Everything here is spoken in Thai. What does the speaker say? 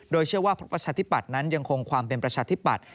โดยเชื่อว่าประชาธิปัตย์นั้นยังคงความเป็นประชาธิปัตย